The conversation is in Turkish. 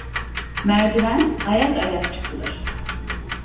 Merdiven ayak ayak çıkılır.